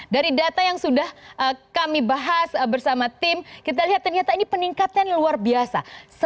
dari data yang sudah kami bahas bersama tim kita lihat ternyata ini peningkatan luar biasa